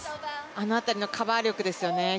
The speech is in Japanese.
あの辺りのカバー力ですよね。